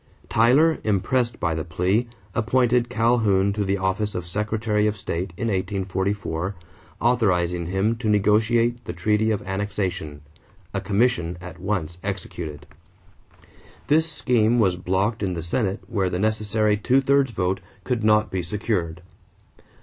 Tyler, impressed by the plea, appointed Calhoun to the office of Secretary of State in 1844, authorizing him to negotiate the treaty of annexation a commission at once executed. This scheme was blocked in the Senate where the necessary two thirds vote could not be secured.